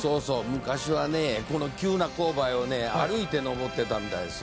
昔は急な勾配を歩いて登っていたみたいですよ。